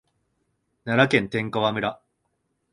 奈良県天川村